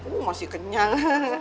uh masih kenyang